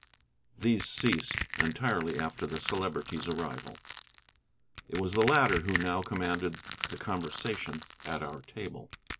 These ceased entirely after the Celebrity's arrival. It was the latter who now commanded the conversation at our table.